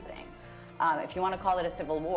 saat ia diwawancari cnn international mei lalu